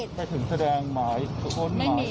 แต่ถึงแสดงหมายล่้น